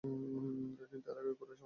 কিন্তু এর আগেই কুরাইশরা রণে ভঙ্গ দেয়।